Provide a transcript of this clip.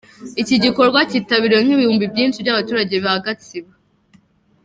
Iki gikorwa cyitabiriwe n'ibihumbi byinshi by'abaturage b'i Gatsibo.